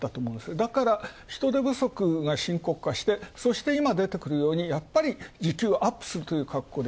だから、人手不足が深刻化して、そして今出てくるようにやっぱり時給をアップするということで、